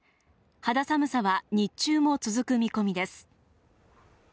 肌寒さは日中も続く見込みです